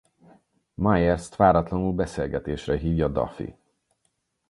Meyerst váratlanul beszélgetésre hívja Duffy.